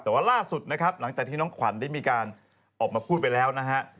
แต่ว่าล่าสุดนะครับหลังจากที่น้องขวัญได้มีการออกมาพูดไปแล้วนะฮะ